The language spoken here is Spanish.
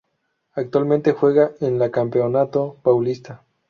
Actualmente juega en la Campeonato Paulista.